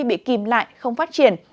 bị kìm lại không phát triển